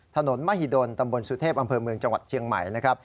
ถนนมหิดลตำบลสุเทพอำเภอเมืองจังหวัดเชียงใหม่นะครับ